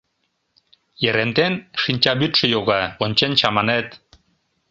Ерентен шинчавӱдшӧ йога, ончен чаманет.